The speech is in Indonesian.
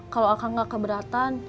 kalo akang gak keberatan